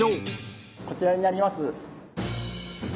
こちらになります。